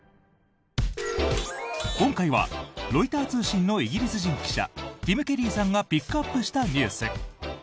今回はロイター通信のイギリス人記者ティム・ケリーさんがピックアップしたニュース。